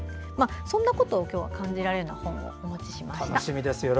そんなことを今日は感じられるような本をお持ちしました。